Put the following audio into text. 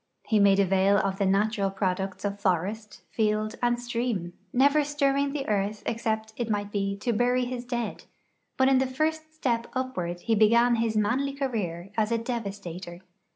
He made avail of the natural products of forest, field, and stream, never stirring the earth ex cept, it might he, to bury his dead ; hut in the first step upward he began his manly career as a devastator.